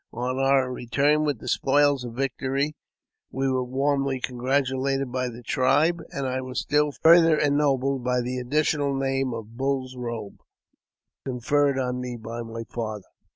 On our return with the spoils of victory we were warmly congratulated by the tribe, and I was still farther ennobled by the additional name of Bull's Eobe, con ferred on me by my father.